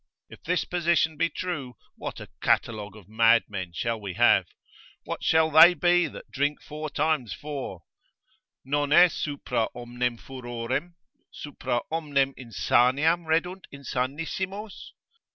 If this position be true, what a catalogue of mad men shall we have? what shall they be that drink four times four? Nonne supra omnem furorem, supra omnem insanian reddunt insanissimos?